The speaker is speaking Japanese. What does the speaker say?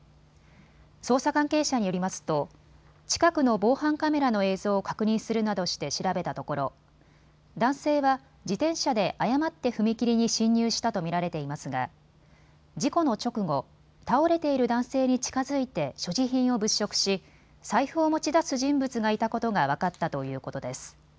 捜査関係者によりますと近くの防犯カメラの映像を確認するなどして調べたところ男性は自転車で誤って踏切に進入したと見られていますが事故の直後、倒れている男性に近づいて所持品を物色し財布を持ち出す人物がいたことが分かったということです。